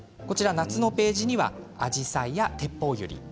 夏のページにはアジサイやテッポウユリ